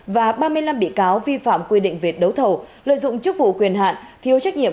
và ba mươi năm bị cáo vi phạm quy định về đấu thầu lợi dụng chức vụ quyền hạn thiếu trách nhiệm